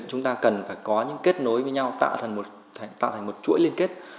chúng ta cần phải có những kết nối với nhau tạo thành một chuỗi liên kết